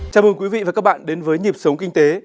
chào mừng quý vị và các bạn đến với nhịp sống kinh tế